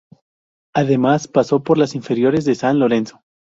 Además paso por las inferiores de San Lorenzo.